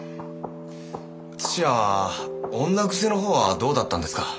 屋は女癖の方はどうだったんですか？